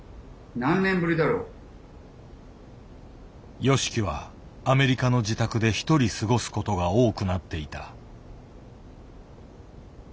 ＹＯＳＨＩＫＩはアメリカの自宅でひとり過ごすことが多くなっていた。